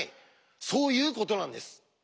そういうことなんです。